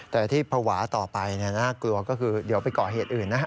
แต่ที่ภาวะต่อไปน่ากลัวก็คือเดี๋ยวไปก่อเหตุอื่นนะฮะ